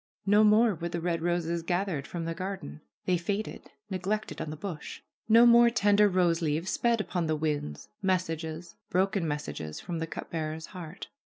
No more were the red roses gathered from the garden. They faded, neglected on the bush. No more tender rose leaves sped upon the winds, messages, broken mes sages from the cup bearer's heart.